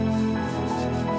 ya makasih ya